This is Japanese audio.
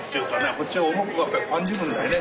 こっちが重くやっぱり感じるんだよね。